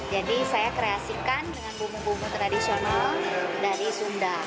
jadi saya kreasikan dengan bumbu bumbu tradisional dari sunda